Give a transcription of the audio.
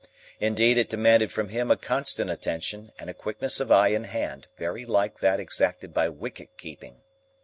Indeed, it demanded from him a constant attention, and a quickness of eye and hand, very like that exacted by wicket keeping.